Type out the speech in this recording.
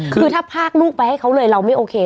คือถ้าพากลูกไปให้เขาเลยเราไม่โอเค